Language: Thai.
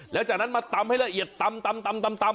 แล้วจากนั้นมาตำให้ละเอียดตำ